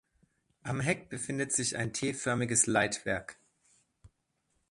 Am Heck befindet sich ein T-förmiges Leitwerk.